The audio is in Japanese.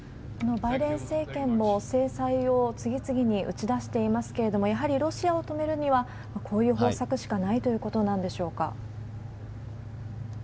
バイデン政権も制裁を次々に打ち出していますけれども、やはりロシアを止めるには、こういう方策しかないということなんでしょうか。